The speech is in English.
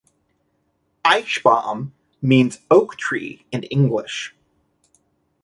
"Eichbaum" means "oak tree" in English.